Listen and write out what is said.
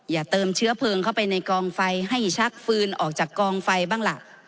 อย่าเติมเชื้อเพลิงเข้าไปในกองไฟให้ชักฟืนออกจากกองไฟบ้างล่ะ